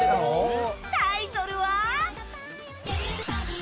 タイトルは。